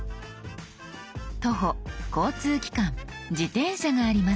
「徒歩」「交通機関」「自転車」があります。